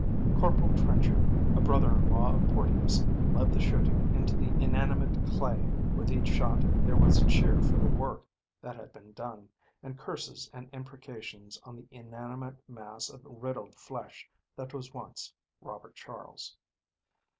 Corporal Trenchard, a brother in law of Porteus, led the shooting into the inanimate clay. With each shot there was a cheer for the work that had been done and curses and imprecations on the inanimate mass of riddled flesh that was once Robert Charles.